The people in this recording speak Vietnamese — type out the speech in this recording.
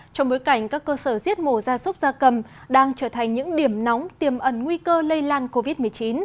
trong bối cảnh các cơ sở giết mổ gia súc gia cầm đang trở thành những điểm nóng tiềm ẩn nguy cơ lây lan covid một mươi chín